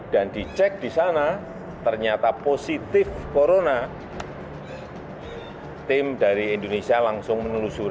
dan dicek di sana ternyata positif corona tim dari indonesia langsung menelusuri